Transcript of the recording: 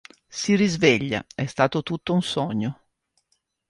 Si risveglia: è stato tutto un sogno.